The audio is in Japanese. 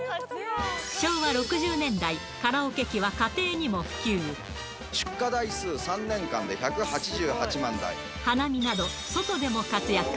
昭和６０年代、カラオケ機は家庭出荷台数、３年間で１８８万花見など、外でも活躍。